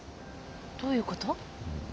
どういうこと？